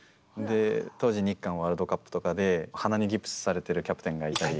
当時日韓ワールドカップとかで鼻にギプスされてるキャプテンがいたり。